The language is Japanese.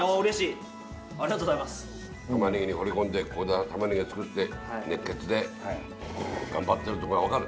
たまねぎにほれ込んでここでたまねぎを作って熱血で頑張ってるってことが分かる。